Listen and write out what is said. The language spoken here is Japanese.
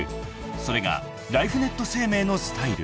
［それがライフネット生命のスタイル］